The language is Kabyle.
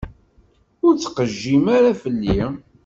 Ur ttqejjim ara fell-i.